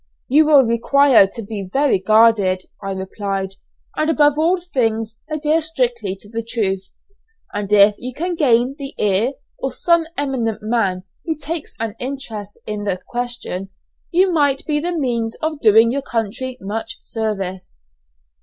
"You will require to be very guarded," I replied; "and above all things adhere strictly to the truth, and if you can gain the ear of some eminent man who takes an interest in the question, you might be the means of doing your country much service."